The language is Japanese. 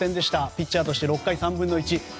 ピッチャーとして６回３分の１。